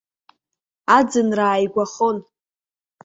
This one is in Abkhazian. Аӡынра ааигәахон.